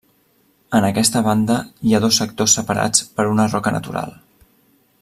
En aquesta banda, hi ha dos sectors separats per una roca natural.